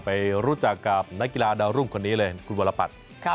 ไปรู้จักกับนักกีฬาดาวรุ่งคนนี้เลยคุณวรปัตร